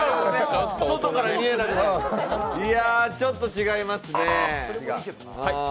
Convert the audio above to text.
いやあ、ちょっと違いますね。